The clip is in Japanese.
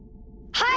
はい！